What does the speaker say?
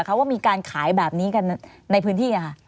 เขาว่ามีการขายแบบนี้กันในพื้นที่